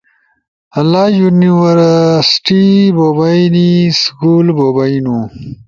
لا یونیورسٹی بو بئینی، سکول بو بئینو،